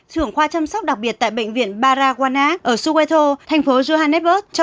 trưởng khoa chăm sóc đặc biệt tại bệnh viện paragwana ở soweto thành phố johannesburg cho